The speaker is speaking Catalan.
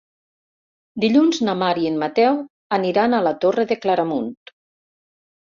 Dilluns na Mar i en Mateu aniran a la Torre de Claramunt.